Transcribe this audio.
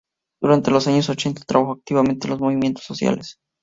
Durante los años ochenta trabajó activamente en los movimientos sociales.